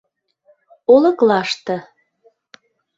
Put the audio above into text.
олыклаште